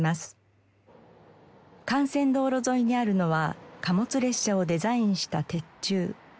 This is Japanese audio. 幹線道路沿いにあるのは貨物列車をデザインした鉄柱。